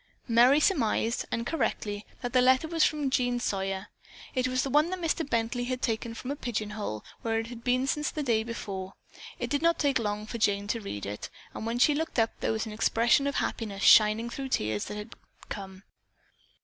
Merry surmised, and correctly, that the letter was from Jean Sawyer. It was the one Mr. Bently had taken from a pigeon hole where it had been since the day before. It did not take long for Jane to read it, and when she looked up there was an expression of happiness shining through the tears that had come.